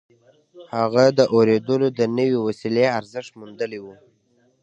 هغه د اورېدلو د نوې وسيلې ارزښت موندلی و.